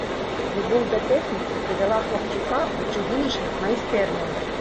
Любоў да тэхнікі прывяла хлапчука ў чыгуначных майстэрняў.